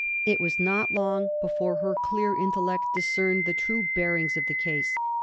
It was not long before her clear intellect discerned the true bearings of the case.